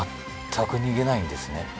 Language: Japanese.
全く逃げないんですね